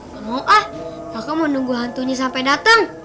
kamu ah kakak mau nunggu hantunya sampai dateng